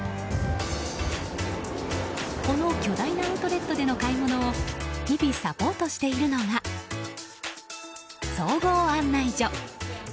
この巨大なアウトレットでの買い物を日々サポートしているのが総合案内所。